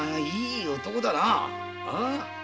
いい男だなあ。